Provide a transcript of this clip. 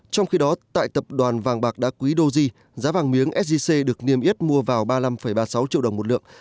trong khi đó tại tập đoàn vàng bạc đá quý doji giá vàng miếng sgc được niêm yết mua vào ba mươi năm ba mươi sáu triệu đồng một lượng